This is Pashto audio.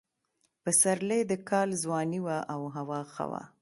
پسرلی د کال ځواني وه او هوا ښه وه.